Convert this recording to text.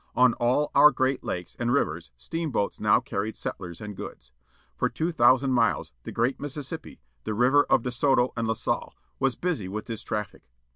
On all our great lakes and rivers steamboats now earned settlers and goods. For two thousand miles the great Mississippi â the river of De Soto and La Salle â was busy with this traffic.